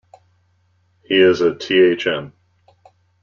He is a Th.M.